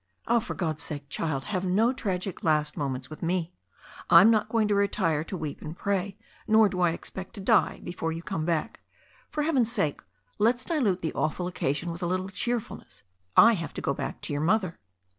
"For God's sake, child, have no tragic last moments with me. I am not going to retire to weep and pray, nor do I expect to die before you come back. For heaven's sake let's 240 THE STORY OF A NEW ZEALAND RIVER dilute the awful occasion with a little cheerfulness. I have to go back to your mother."